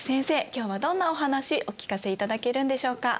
今日はどんなお話お聞かせいただけるんでしょうか？